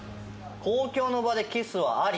「公共の場でキスはあり？」